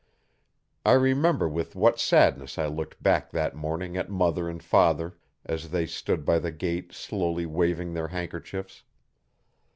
I remember with what sadness I looked back that morning at mother and father as they stood by the gate slowly waving their handkerchiefs.